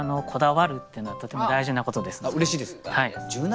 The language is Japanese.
でもうれしいです。